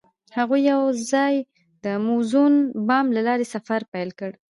هغوی یوځای د موزون بام له لارې سفر پیل کړ.